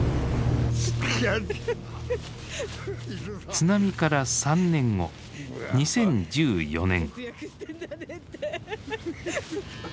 津波から３年後２０１４年。